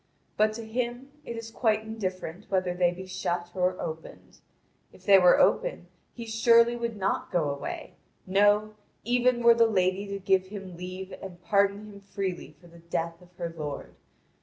But to him it is quite indifferent whether they be shut or opened. If they were open he surely would not go away, no, even were the lady to give him leave and pardon him freely for the death of her lord.